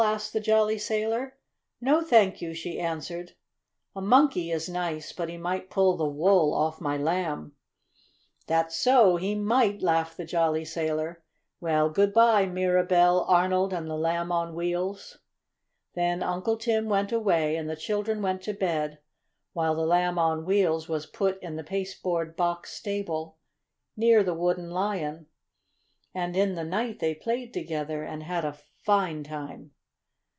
asked the jolly sailor. "No, thank you," she answered. "A monkey is nice, but he might pull the wool off my Lamb." "That's so he might!" laughed the jolly sailor. "Well, good bye, Mirabell, Arnold, and the Lamb on Wheels." Then Uncle Tim went away and the children went to bed, while the Lamb on Wheels was put in the pasteboard box stable, near the Wooden Lion. And in the night they played together and had a fine time.